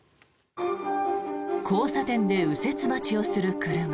交差点で右折待ちをする車。